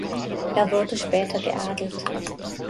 Er wurde später geadelt.